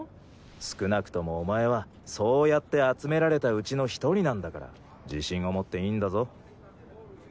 少なくともお前はそうやって集められたうちの１人なんだから自信を持っていいんだぞ。